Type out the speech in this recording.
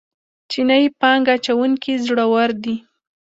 چینايي پانګه اچوونکي زړور دي.